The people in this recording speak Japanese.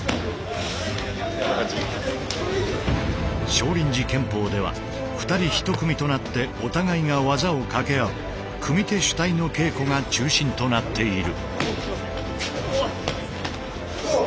少林寺拳法では２人一組となってお互いが技を掛け合う組手主体の稽古が中心となっている。